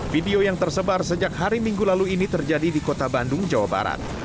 video yang tersebar sejak hari minggu lalu ini terjadi di kota bandung jawa barat